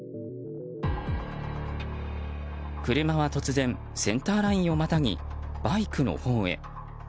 車は突然センターラインをまたぎバイクのほうへ。